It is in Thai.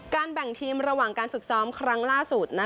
แบ่งทีมระหว่างการฝึกซ้อมครั้งล่าสุด